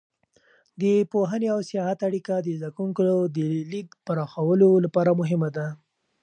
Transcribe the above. د پوهنې او سیاحت اړیکه د زده کوونکو د لید پراخولو لپاره مهمه ده.